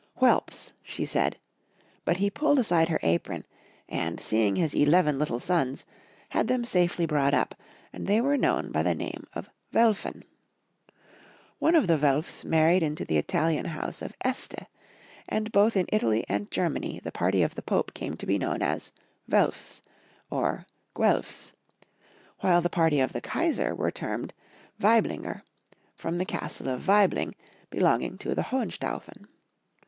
" Whelps," she said ; but he pulled aside her apron, and, seeing his eleven little sons, had them safely brought up, and they were known by the name of Welfen. One of the Welfs married into the Italian house of Este, and both in Italy and Germany the party of the Pope came to be known as Welfs, or Guelfs ; while the party of the Kaisar were termed Waiblinger, from the castle of Waibling belonguig to the Hohenstaufen.